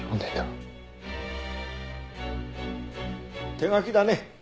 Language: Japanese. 手書きだね。